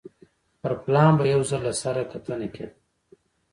پر پلان به یو ځل له سره کتنه کېده